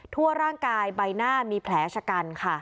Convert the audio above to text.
ทั่วร่างกายใบหน้ามีแผลชะกันค่ะ